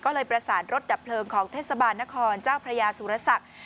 ก็เลยประสานรถดับเพลิงของเทศบาลนครเจ้าพระยาสุรศักดิ์